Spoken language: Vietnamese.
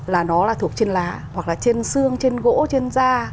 là nó là thuộc trên lá hoặc là trên xương trên gỗ trên da